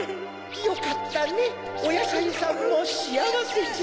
よかったねおやさいさんもしあわせじゃ。